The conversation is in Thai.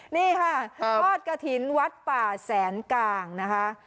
นี่ค่ะทอดกระถิ่นวัดป่าแสนกลางนะคะ